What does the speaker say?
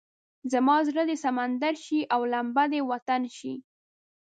زما زړه دې سمندر شي او لمبه دې وطن شي.